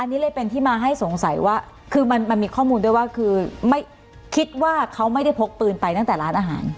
อันนี้เลยเป็นที่มาให้สงสัยว่าคือมันมีข้อมูลด้วยว่าคือไม่คิดว่าเขาไม่ได้พกปืนไปตั้งแต่ร้านอาหาร